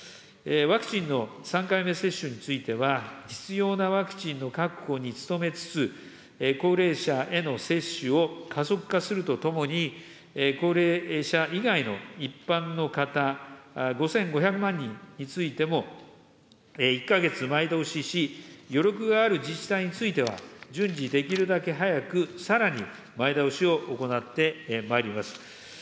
ワクチンの３回目接種については、必要なワクチンの確保に努めつつ、高齢者への接種を加速化するとともに、高齢者以外の一般の方、５５００万人についても、１か月前倒しし、余力がある自治体については、順次、できるだけ早く、さらに前倒しを行ってまいります。